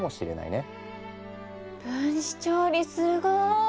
分子調理すごい。